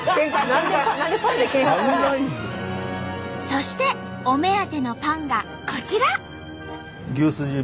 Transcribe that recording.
そしてお目当てのパンがこちら。